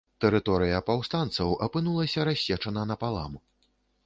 Тэрыторыя паўстанцаў апынулася рассечана напалам.